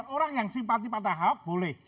orang yang simpati pada ahok boleh